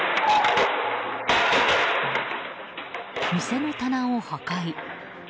店の棚を破壊。